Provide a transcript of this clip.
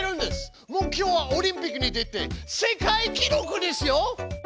目標はオリンピックに出て世界記録ですよ！